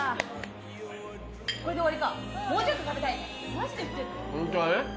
マジで言ってんの？